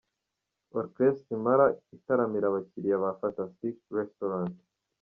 Orchestre Impala itaramira abakiriya ba Fantastic Restaurant.